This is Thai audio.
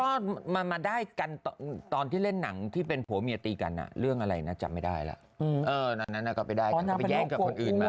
ก็มาได้กันตอนที่เล่นหนังที่เป็นผัวเมียตีกันเรื่องอะไรนะจำไม่ได้ล่ะนั้นก็ไปได้ก็จะไปแย่งกับคนอื่นมา